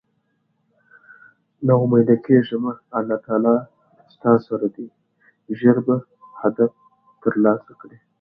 نا اميده کيږه مه الله له تاسره ده ژر به هدف تر لاسه کړی